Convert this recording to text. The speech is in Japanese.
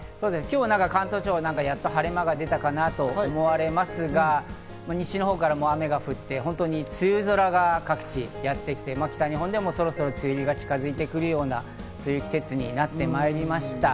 関東地方、やっと晴れ間が出たかなと思われますが、西のほうから、もう雨が降って、梅雨空が各地にやってきて北日本でもそろそろ梅雨入りが近づいてくるような季節になってまいりました。